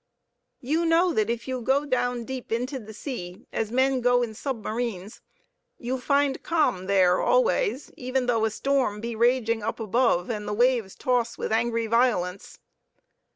You know that if you go down deep into the sea, as men go in submarines, you find calm there always, even though a storm be raging up above and the waves toss with angry violence.